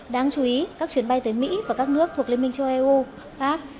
đáng chú ý các chuyến bay tới mỹ và các nước thuộc liên minh châu âu khác